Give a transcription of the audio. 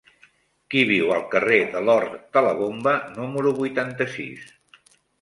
Qui viu al carrer de l'Hort de la Bomba número vuitanta-sis?